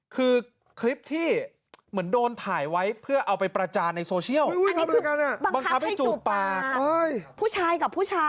คือคลิปที่เหมือนโดนถ่ายไว้เพื่อเอาไปประจานในโซเชียล